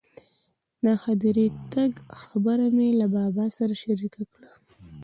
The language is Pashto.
د هدیرې تګ خبره مې له بابا سره شریکه کړه.